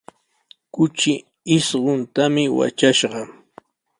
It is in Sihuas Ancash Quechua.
Kuchi isquntami watrashqa.